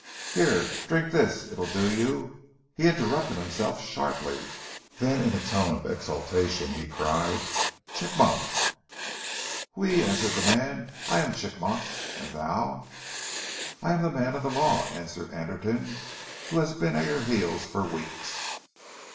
"Here, drink this, it'll do you " he interrupted himself sharply, then in a tone of exultation he cried: "Chigmok!" "Oui!" answered the man. "I am Chigmok! And thou?" "I am the man of the Law," answered Anderton, "who has been at your heels for weeks."